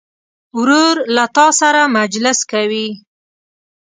ورور له تا سره مجلس کوي.